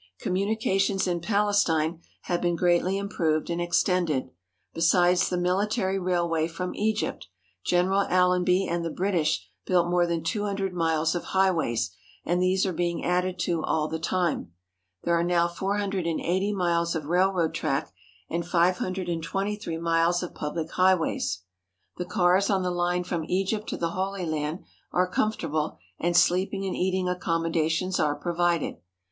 Communications in Palestine have been greatly im proved and extended. Besides the military railway from Egypt, General Allenby and the British built more than two hundred miles of highways, and these are being added to all the time. There are now four hundred and eighty miles of railroad track and five hundred and twenty three 284 PALESTINE AND SYRIA UNDER NEW RULERS miles of public highways. The cars on the line from Egypt to the Holy Land are comfortable, and sleeping and eating accommodations are provided.